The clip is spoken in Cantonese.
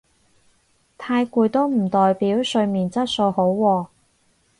太攰都唔代表睡眠質素好喎